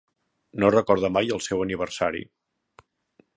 No recorda mai el seu aniversari.